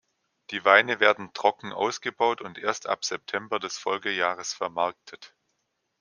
Die Weine werden trocken ausgebaut und erst ab September des Folgejahres vermarktet.